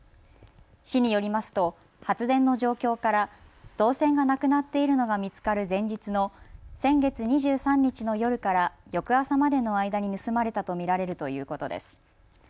市によりますと発電の状況から銅線がなくなっているのが見つかる前日の先月２３日の夜から翌朝までの間に盗まれたと見られるということです。